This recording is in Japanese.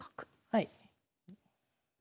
はい。